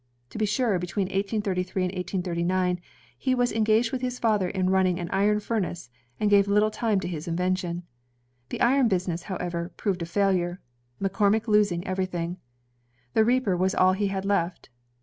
To be sure, between 1833 and 1839 he was engaged with his father in running an iron furnace, and gave little time to his invention. The iron business, however, proved a failure, McCormick losing ^ver3rthing. The reaper was all he had left.